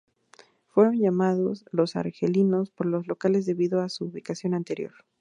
Fueron llamadas "Los Argelinos" por los locales debido a su ubicación anterior.